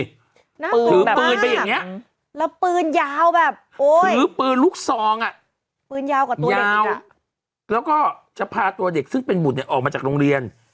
ถือปืนถือปืนไปอย่างนี้แล้วปืนยาวแบบโอ้ถือปืนลูกซองอ่ะปืนยาวกว่าตัวยาวแล้วก็จะพาตัวเด็กซึ่งเป็นบุตรเนี่ยออกมาจากโรงเรียน